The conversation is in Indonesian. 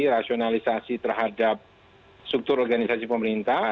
rasionalisasi terhadap struktur organisasi pemerintah